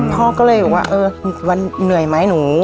พ่อว่า